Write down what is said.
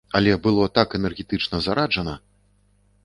Але было так энергетычна зараджана!